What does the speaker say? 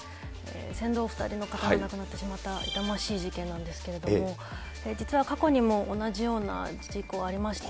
船頭２人の方が亡くなってしまった痛ましい事件なんですけれども、実は過去にも同じような事故ありまして。